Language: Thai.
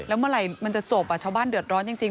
แล้วเมื่อไหร่มันจะจบชาวบ้านเดือดร้อนจริง